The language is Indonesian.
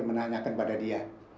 menanyakan pada dia